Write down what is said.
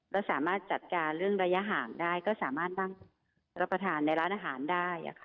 แล้วสามารถจัดการเรื่องระยะห่างได้ก็สามารถนั่งรับประทานในร้านอาหารได้